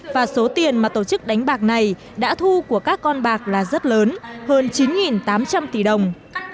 và số tiền mà tổ chức đánh bạc này đã thu của các con bạc là rất lớn hơn chín tám trăm linh tỷ đồng